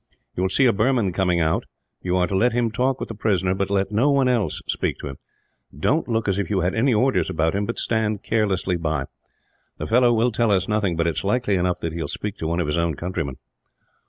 You will see a Burman come out. You are to let him talk with the prisoner, but let no one else speak to him. Don't look as if you had any orders about him, but stand carelessly by. The fellow will tell us nothing, but it is likely enough that he will speak to one of his own countrymen."